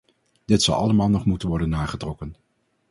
Dit zal allemaal nog moeten worden nagetrokken.